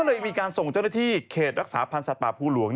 เลยมีการส่งเจ้าหน้าที่เขตรักษาพันธ์สัตว์ป่าภูหลวง